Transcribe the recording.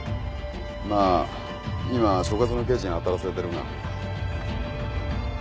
まあ今所轄の刑事に当たらせてるが。